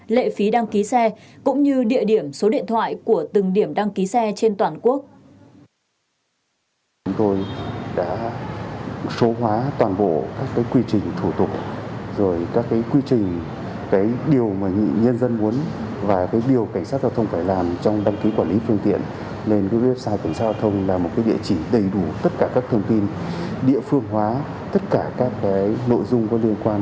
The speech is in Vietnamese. lệ phí đăng ký xe cũng như địa điểm số điện thoại của từng điểm đăng ký xe trên toàn quốc